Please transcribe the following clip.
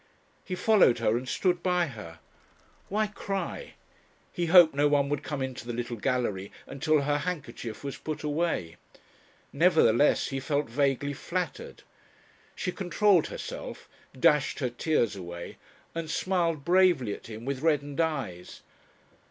He followed her and stood by her. Why cry? He hoped no one would come into the little gallery until her handkerchief was put away. Nevertheless he felt vaguely flattered. She controlled herself, dashed her tears away, and smiled bravely at him with reddened eyes.